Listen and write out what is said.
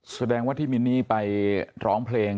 แสดงว่าที่มินนี่ไปร้องเพลง